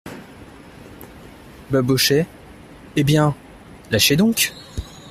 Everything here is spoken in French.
Babochet Eh bien ? lâchez donc !